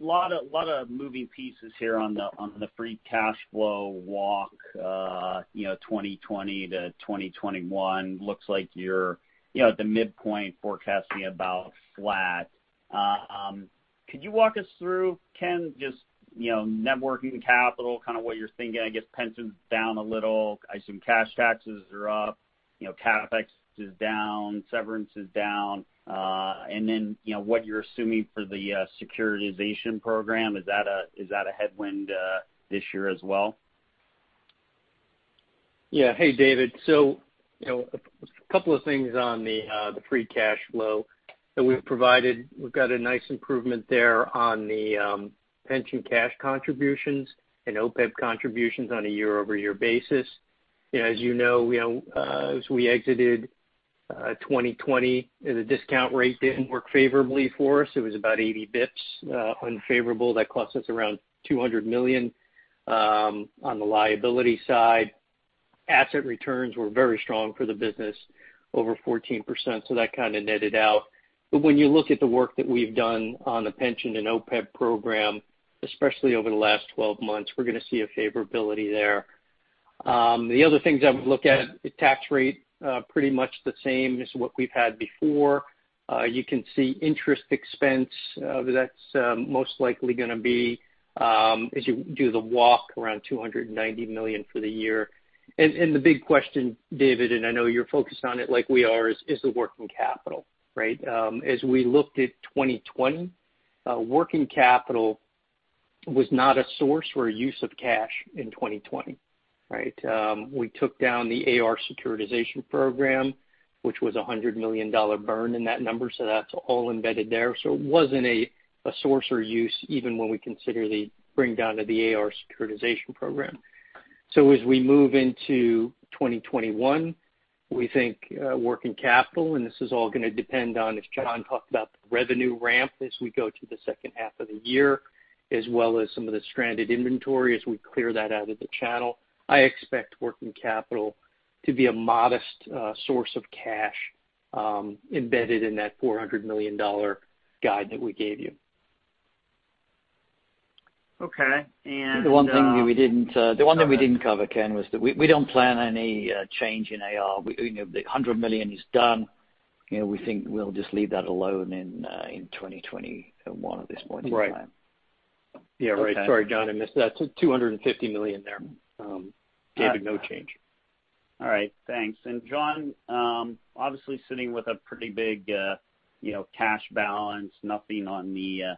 lot of moving pieces here on the free cash flow walk 2020 to 2021. Looks like you're at the midpoint forecasting about flat. Could you walk us through, Ken, just net working capital, kind of what you're thinking? I guess pensions down a little. I assume cash taxes are up, CapEx is down, severance is down. And then what you're assuming for the securitization program, is that a headwind this year as well? Yeah. Hey, David. So a couple of things on the free cash flow that we've provided. We've got a nice improvement there on the pension cash contributions and OPEB contributions on a year-over-year basis. As you know, as we exited 2020, the discount rate didn't work favorably for us. It was about 80 basis points unfavorable. That cost us around $200 million on the liability side. Asset returns were very strong for the business, over 14%. So that kind of netted out. But when you look at the work that we've done on the pension and OPEB program, especially over the last 12 months, we're going to see a favorability there. The other things I would look at, tax rate pretty much the same as what we've had before. You can see interest expense. That's most likely going to be, as you do the walk, around $290 million for the year. And the big question, David, and I know you're focused on it like we are, is the working capital, right? As we looked at 2020, working capital was not a source or a use of cash in 2020, right? We took down the AR securitization program, which was a $100 million burn in that number. So that's all embedded there. So it wasn't a source or use even when we consider the bring down to the AR securitization program. So as we move into 2021, we think working capital, and this is all going to depend on, as John talked about, the revenue ramp as we go to the second half of the year, as well as some of the stranded inventory as we clear that out of the channel. I expect working capital to be a modest source of cash embedded in that $400 million guide that we gave you. Okay. And, The one thing we didn't cover, Ken, was that we don't plan on any change in AR. The $100 million is done. We think we'll just leave that alone in 2021 at this point in time. Right. Yeah, right. Sorry, John, I missed that. $250 million there. David, no change. All right. Thanks. And John, obviously sitting with a pretty big cash balance, nothing on the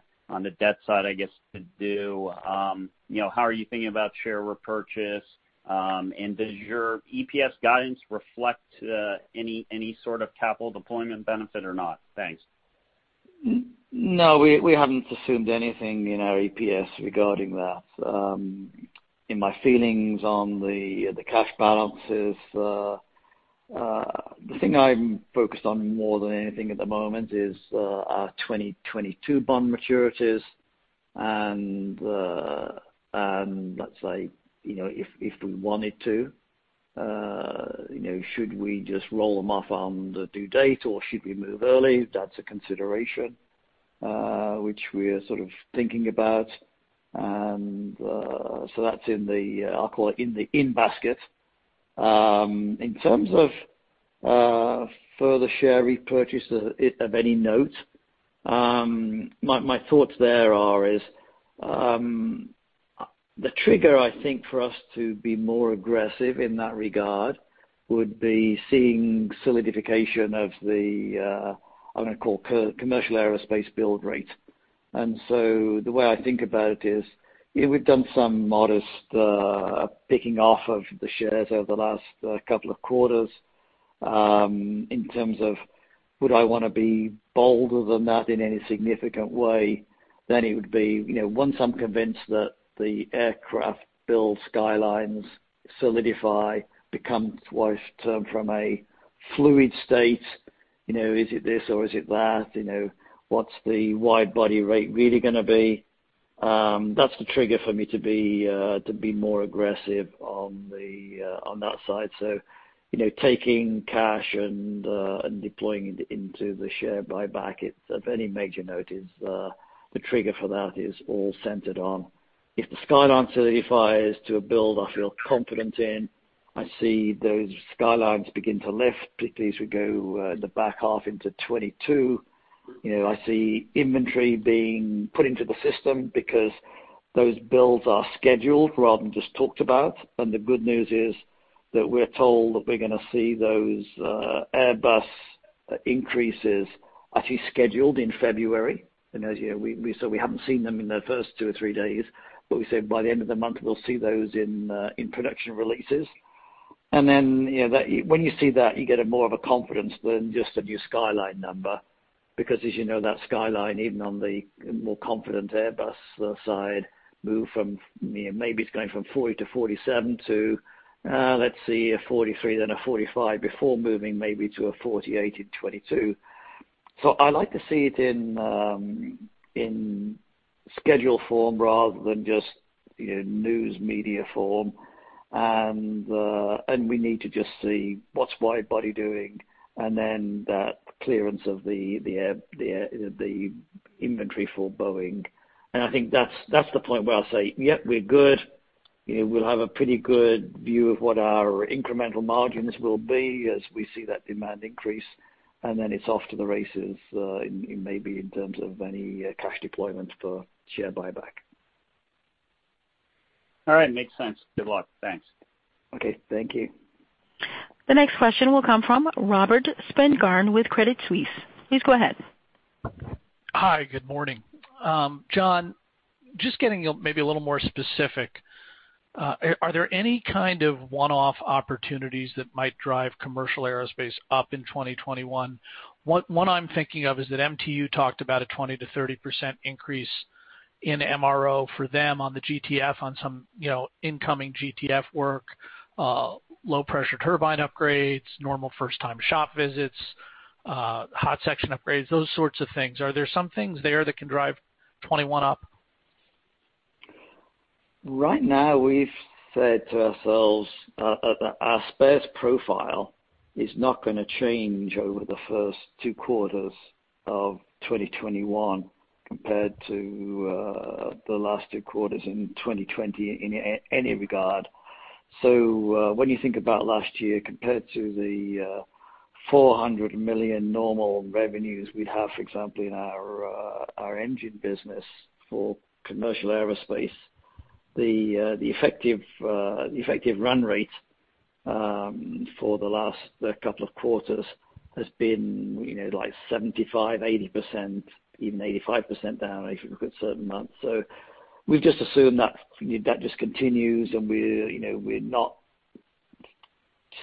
debt side, I guess, to do. How are you thinking about share repurchase? And does your EPS guidance reflect any sort of capital deployment benefit or not? Thanks. No, we haven't assumed anything in our EPS regarding that. In my feelings on the cash balances, the thing I'm focused on more than anything at the moment is our 2022 bond maturities. And let's say, if we wanted to, should we just roll them off on the due date or should we move early? That's a consideration, which we're sort of thinking about. And so that's in the, I'll call it, in the in basket. In terms of further share repurchase of any note, my thoughts there are the trigger, I think, for us to be more aggressive in that regard would be seeing solidification of the, I'm going to call it, commercial aerospace build rate. And so the way I think about it is we've done some modest picking off of the shares over the last couple of quarters. In terms of, would I want to be bolder than that in any significant way? Then it would be once I'm convinced that the aircraft build skylines solidify, become more certain from a fluid state, is it this or is it that? What's the wide-body rate really going to be? That's the trigger for me to be more aggressive on that side. So taking cash and deploying into the share buyback of any major note is the trigger for that is all centered on. If the skyline solidifies to a build I feel confident in, I see those skylines begin to lift. If these would go in the back half into 2022, I see inventory being put into the system because those builds are scheduled rather than just talked about. And the good news is that we're told that we're going to see those Airbus increases actually scheduled in February. So we haven't seen them in the first two or three days, but we said by the end of the month, we'll see those in production releases. And then when you see that, you get more of a confidence than just a new skyline number. Because as you know, that skyline, even on the more confident Airbus side, move from maybe it's going from 40 to 47 to, let's see, a 43, then a 45 before moving maybe to a 48 in 2022. So I like to see it in schedule form rather than just news media form. And we need to just see what's wide body doing and then that clearance of the inventory for Boeing. And I think that's the point where I'll say, yep, we're good. We'll have a pretty good view of what our incremental margins will be as we see that demand increase. And then it's off to the races maybe in terms of any cash deployment for share buyback. All right. Makes sense. Good luck. Thanks. Okay. Thank you. The next question will come from Robert Spingarn with Credit Suisse. Please go ahead. Hi. Good morning. John, just getting maybe a little more specific, are there any kind of one-off opportunities that might drive commercial aerospace up in 2021? One I'm thinking of is that MTU talked about a 20%-30% increase in MRO for them on the GTF, on some incoming GTF work, low pressure turbine upgrades, normal first-time shop visits, hot section upgrades, those sorts of things. Are there some things there that can drive 2021 up? Right now, we've said to ourselves, our spares profile is not going to change over the first two quarters of 2021 compared to the last two quarters in 2020 in any regard. So when you think about last year compared to the $400 million normal revenues we'd have, for example, in our engine business for commercial aerospace, the effective run rate for the last couple of quarters has been like 75%, 80%, even 85% down if you look at certain months. So we've just assumed that that just continues and we're not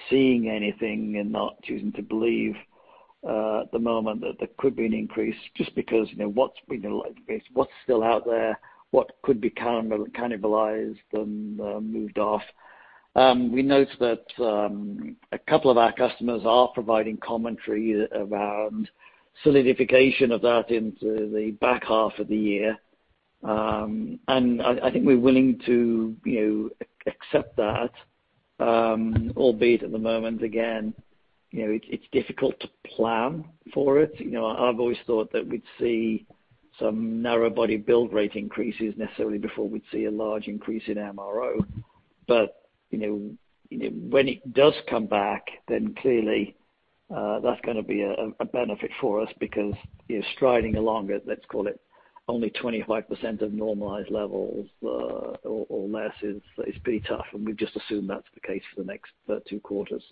seeing anything and not choosing to believe at the moment that there could be an increase just because what's still out there, what could be cannibalized and moved off. We note that a couple of our customers are providing commentary around solidification of that into the back half of the year. And I think we're willing to accept that, albeit at the moment, again, it's difficult to plan for it. I've always thought that we'd see some narrowbody build rate increases necessarily before we'd see a large increase in MRO. But when it does come back, then clearly that's going to be a benefit for us because striding along at, let's call it, only 25% of normalized levels or less is pretty tough. And we've just assumed that's the case for the next two quarters.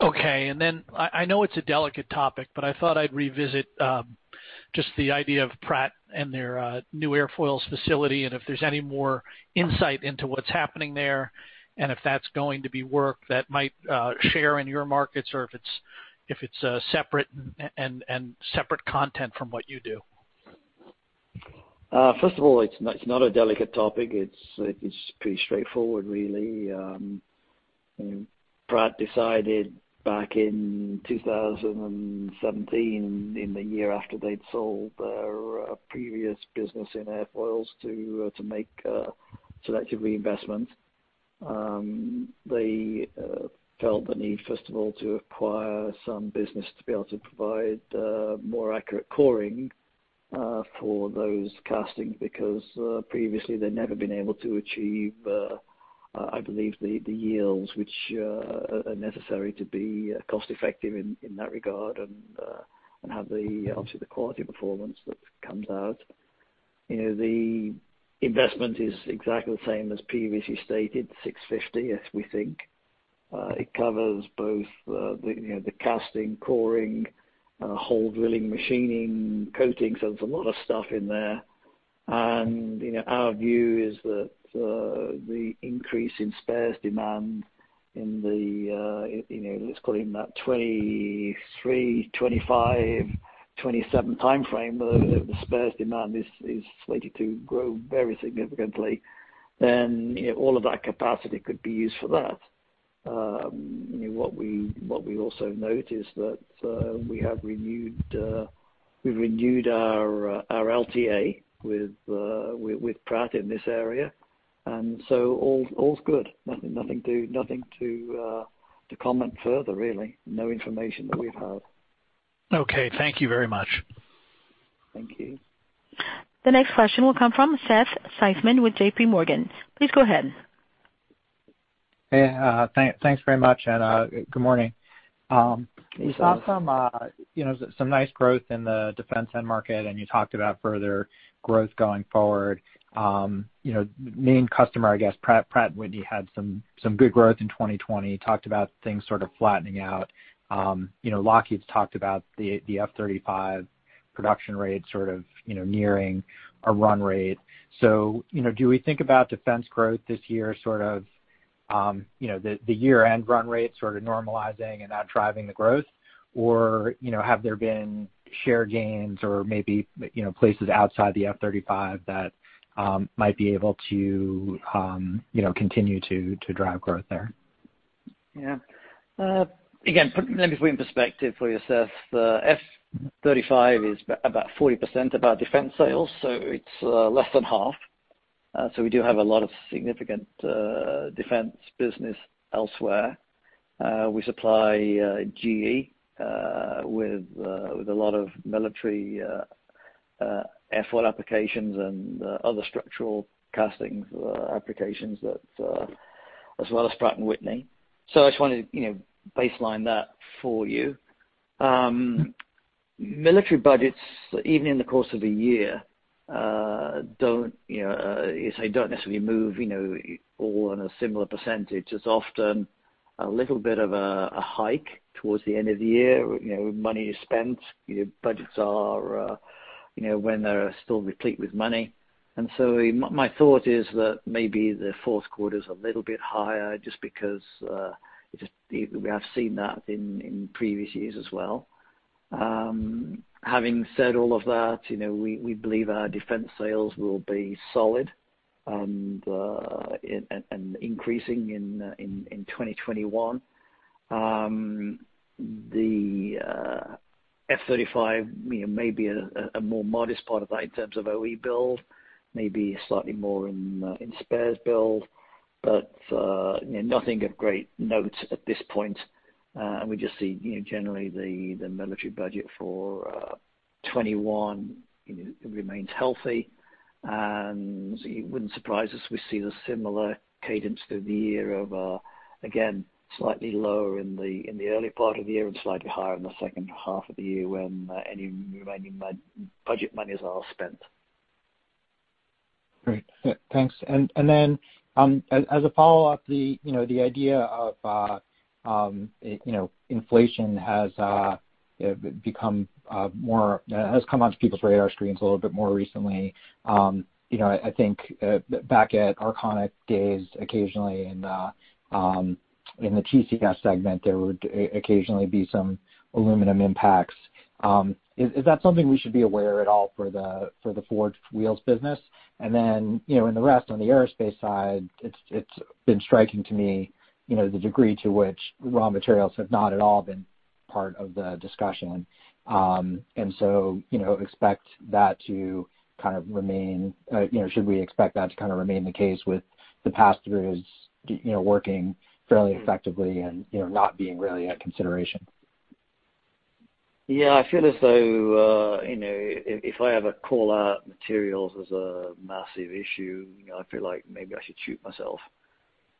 Okay. And then I know it's a delicate topic, but I thought I'd revisit just the idea of Pratt & Whitney and their new airfoils facility and if there's any more insight into what's happening there, and if that's going to be work that might share in your markets or if it's separate and separate content from what you do. First of all, it's not a delicate topic. It's pretty straightforward, really. Pratt & Whitney decided back in 2017, in the year after they'd sold their previous business in airfoils, to make selective reinvestments. They felt the need, first of all, to acquire some business to be able to provide more accurate coring for those castings because previously, they'd never been able to achieve, I believe, the yields which are necessary to be cost-effective in that regard and have the quality performance that comes out. The investment is exactly the same as previously stated, $650 million, as we think. It covers both the casting, coring, hole drilling, machining, coatings. There's a lot of stuff in there, and our view is that the increase in spares demand in the, let's call it in that 2023, 2025, 2027 timeframe, the spares demand is slated to grow very significantly. Then all of that capacity could be used for that. What we also note is that we have renewed our LTA with Pratt & Whitney in this area. And so all's good. Nothing to comment further, really. No information that we've had. Okay. Thank you very much. Thank you. The next question will come from Seth Seifman with JPMorgan. Please go ahead. Hey. Thanks very much, and good morning. It's awesome. Some nice growth in the defense end market, and you talked about further growth going forward. Main customer, I guess, Pratt & Whitney had some good growth in 2020, talked about things sort of flattening out. Lockheed's talked about the F-35 production rate sort of nearing a run rate. So do we think about defense growth this year, sort of the year-end run rate sort of normalizing and that driving the growth? Or have there been share gains or maybe places outside the F-35 that might be able to continue to drive growth there? Yeah. Again, let me put it in perspective for you, Seth. The F-35 is about 40% of our defense sales, so it's less than half. So we do have a lot of significant defense business elsewhere. We supply GE Aviation with a lot of military airfoil applications and other structural casting applications as well as Pratt & Whitney. So I just wanted to baseline that for you. Military budgets, even in the course of a year, they don't necessarily move all in a similar percentage. It's often a little bit of a hike towards the end of the year. Money is spent. Budgets are when they're still replete with money. And so my thought is that maybe the fourth quarter is a little bit higher just because we have seen that in previous years as well. Having said all of that, we believe our defense sales will be solid and increasing in 2021. The F-35 may be a more modest part of that in terms of OE build, maybe slightly more in spares build, but nothing of great note at this point. And we just see generally the military budget for 2021 remains healthy. And it wouldn't surprise us if we see the similar cadence through the year of, again, slightly lower in the early part of the year and slightly higher in the second half of the year when any remaining budget money is all spent. Great. Thanks. And then as a follow-up, the idea of inflation has come onto people's radar screens a little bit more recently. I think back at Arconic days occasionally in the TCS segment, there would occasionally be some aluminum impacts. Is that something we should be aware at all for the Forged Wheels business? And then in the rest, on the aerospace side, it's been striking to me the degree to which raw materials have not at all been part of the discussion. And so should we expect that to kind of remain the case with the past three years working fairly effectively and not being really a consideration? Yeah. I feel as though if I ever call out materials as a massive issue, I feel like maybe I should shoot myself.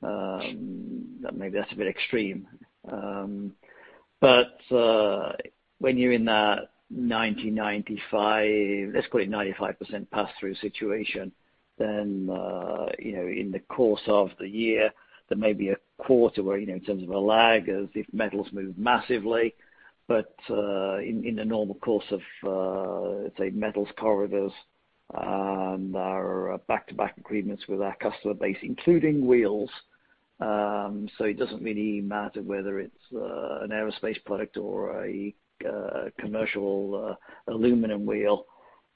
Maybe that's a bit extreme. But when you're in that 90%-95%, let's call it 95% pass-through situation, then in the course of the year, there may be a quarter where in terms of a lag as if metals move massively. But in the normal course of, let's say, metals corridors and our back-to-back agreements with our customer base, including Wheels. So it doesn't really matter whether it's an aerospace product or a commercial aluminum wheel,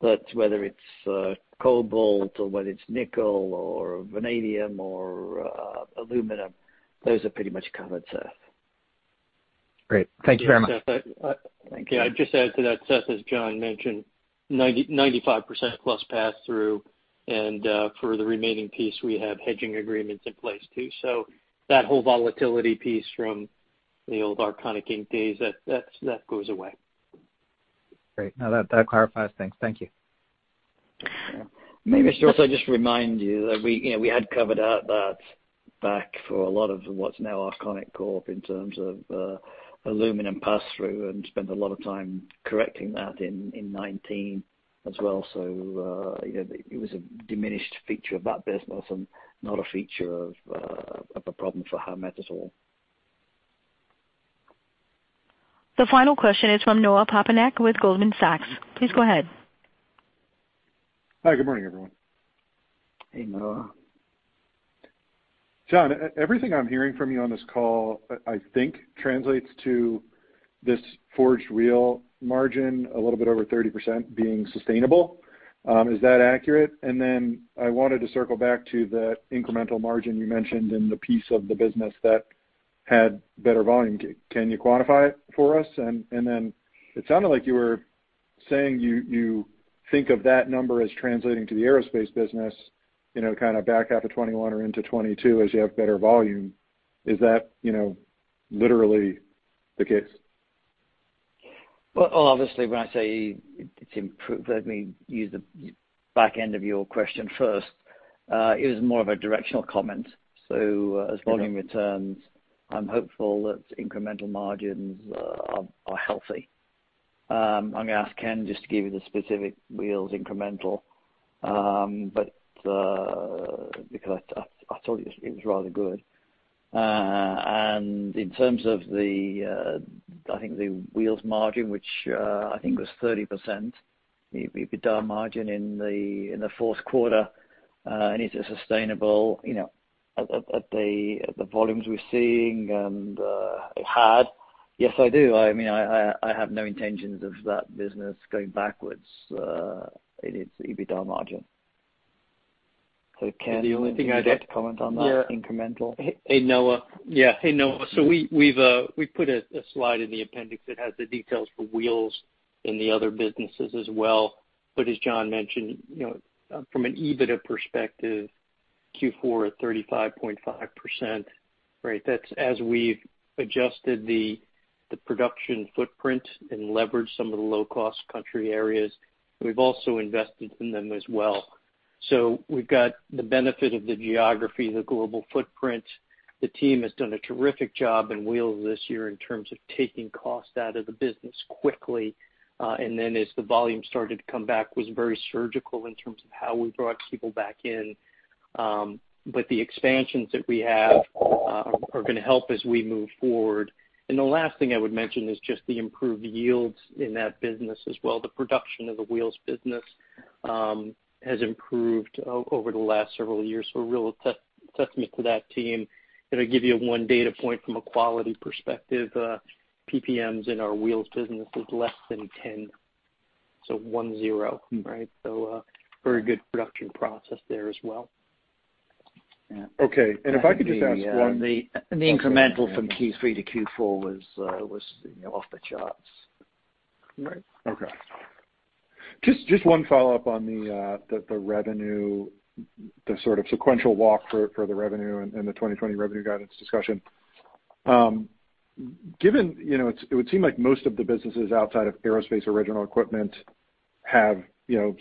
but whether it's cobalt or whether it's nickel or vanadium or aluminum, those are pretty much covered, Seth. Great. Thank you very much. Thank you. Yeah. I'd just add to that, Seth, as John mentioned, 95%+ pass-through. And for the remaining piece, we have hedging agreements in place too. So that whole volatility piece from the old Arconic Inc days, that goes away. Great. No, that clarifies things. Thank you. Maybe I should also just remind you that we had covered that back for a lot of what's now Arconic Corporation in terms of aluminum pass-through and spent a lot of time correcting that in 2019 as well. So it was a diminished feature of that business and not a feature of a problem for Howmet at all. The final question is from Noah Poponak with Goldman Sachs. Please go ahead. Hi. Good morning, everyone. Hey, Noah. John, everything I'm hearing from you on this call, I think, translates to this forged wheel margin a little bit over 30% being sustainable. Is that accurate? And then I wanted to circle back to the incremental margin you mentioned in the piece of the business that had better volume. Can you quantify it for us? And then it sounded like you were saying you think of that number as translating to the aerospace business kind of back half of 2021 or into 2022 as you have better volume. Is that literally the case? Obviously, when I say it's improved, let me use the back end of your question first. It was more of a directional comment. So as volume returns, I'm hopeful that incremental margins are healthy. I'm going to ask Ken just to give you the specific Wheels incremental, but because I thought it was rather good. And in terms of the, I think, the Wheels margin, which I think was 30%, the EBITDA margin in the fourth quarter, and is it sustainable at the volumes we're seeing and had? Yes, I do. I mean, I have no intentions of that business going backwards in its EBITDA margin. So Ken, do you have to comment on that incremental? Hey, Noah. Yeah. Hey, Noah. So we've put a slide in the appendix that has the details for Wheels in the other businesses as well. But as John mentioned, from an EBITDA perspective, Q4 at 35.5%, right? That's as we've adjusted the production footprint and leveraged some of the low-cost country areas. We've also invested in them as well. So we've got the benefit of the geography, the global footprint. The team has done a terrific job in Wheels this year in terms of taking costs out of the business quickly. And then as the volume started to come back, it was very surgical in terms of how we brought people back in. But the expansions that we have are going to help as we move forward. And the last thing I would mention is just the improved yields in that business as well. The production of the Wheels business has improved over the last several years. So a real testament to that team. And I'll give you one data point from a quality perspective. PPMs in our Wheels business is less than 10, so 10, right? So very good production process there as well. Okay, and if I could just ask one. The incremental from Q3 to Q4 was off the charts. Right. Okay. Just one follow-up on the revenue, the sort of sequential walk for the revenue and the 2020 revenue guidance discussion. Given it would seem like most of the businesses outside of aerospace original equipment have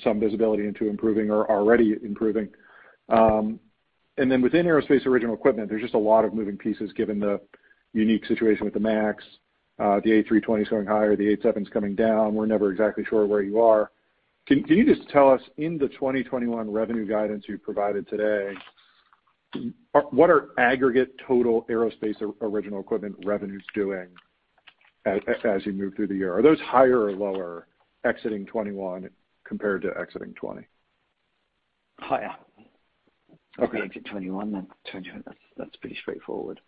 some visibility into improving or already improving. And then within aerospace original equipment, there's just a lot of moving pieces given the unique situation with the MAX. The A320 is going higher. The 787 is coming down. We're never exactly sure where you are. Can you just tell us in the 2021 revenue guidance you provided today, what are aggregate total aerospace original equipment revenues doing as you move through the year? Are those higher or lower exiting 2021 compared to exiting 2020? Higher. If we exit 2021, then 2022, that's pretty straightforward.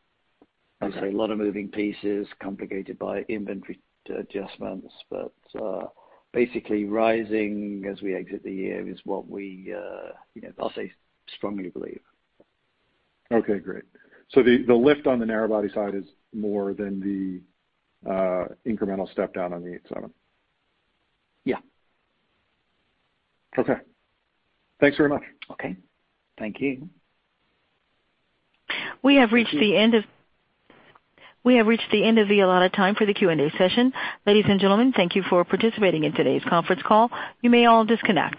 There's a lot of moving pieces complicated by inventory adjustments, but basically rising as we exit the year is what we strongly believe. Okay. Great. So the lift on the narrowbody side is more than the incremental step down on the 787? Yeah. Okay. Thanks very much. Okay. Thank you. We have reached the end of the allotted time for the Q&A session. Ladies and gentlemen, thank you for participating in today's conference call. You may all disconnect.